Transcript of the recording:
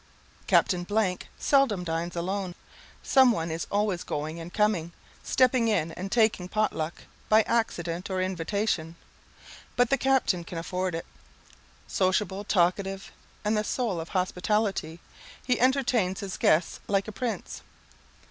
Captain seldom dines alone; some one is always going and coming, stepping in and taking pot luck, by accident or invitation. But the Captain can afford it. Sociable, talkative, and the soul of hospitality, he entertains his guests like a prince.